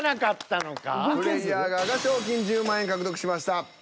プレイヤー側が賞金１０万円獲得しました。